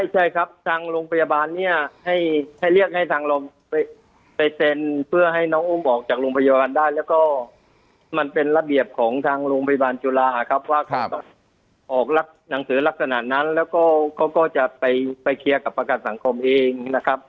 ใช่ครับทางโรงพยาบาลเนี่ยให้เรียกให้ทางเราไปเซ็นเพื่อให้น้องอุ้มออกจากโรงพยาบาลได้แล้วก็มันเป็นระเบียบของทางโรงพยาบาลจุฬาครับว่าเขาก็ออกหนังสือลักษณะนั้นแล้วก็เขาก็จะไปเคลียร์กับประกันสังคมเองนะครับ